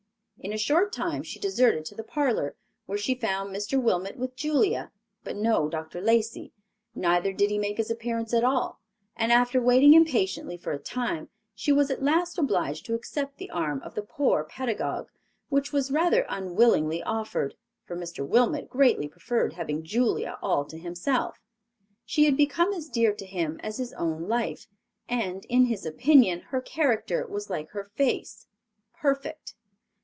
In a short time she deserted to the parlor, where she found Mr. Wilmot with Julia, but no Dr. Lacey, neither did he make his appearance at all, and after waiting impatiently for a time, she was at last obliged to accept the arm of the poor pedagogue, which was rather unwillingly offered, for Mr. Wilmot greatly preferred having Julia all to himself. She had become as dear to him as his own life and, in his opinion, her character was like her face—perfect.